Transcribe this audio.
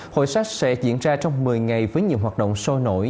hội sách sẽ diễn ra trong một mươi ngày với nhiều hoạt động sôi nổi